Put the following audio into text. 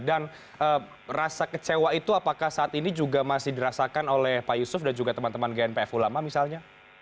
dan rasa kecewa itu apakah saat ini juga masih dirasakan oleh pak yusuf dan juga teman teman gnpf ulama misalnya